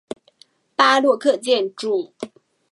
巴洛克建筑。